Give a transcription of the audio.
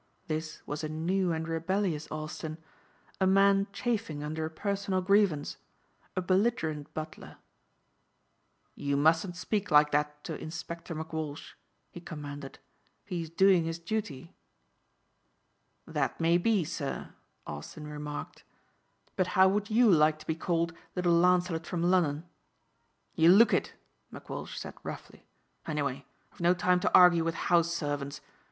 This was a new and rebellious Austin, a man chafing under a personal grievance, a belligerent butler. "You mustn't speak like that to Inspector McWalsh," he commanded. "He is doing his duty." "That may be sir," Austin remarked, "but how would you like to be called 'Little Lancelot from Lunnon'?" "You look it," McWalsh said roughly. "Anyway I've no time to argue with house servants.